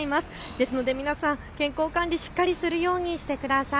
ですので皆さん、健康管理、しっかりするようにしてください。